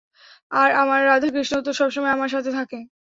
আর আমার রাধা-কৃষ্ণও তো, সবসময় আমার সাথে থাকে।